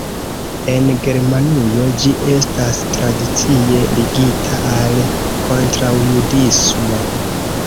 En Germanujo ĝi estas tradicie ligita al kontraŭjudismo.